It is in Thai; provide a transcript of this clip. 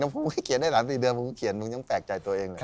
พี่เราเขียนได้๓๔เดือนผมเขียนผมยังแปลกใจตัวเอง